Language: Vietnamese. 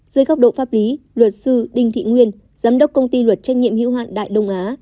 dưới góc độ pháp lý luật sư đinh thị nguyên giám đốc công ty luật trách nhiệm hữu hạn đại đông á